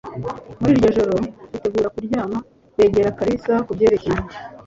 Muri iryo joro bitegura kuryama, yegera Kalisa kubyerekeye.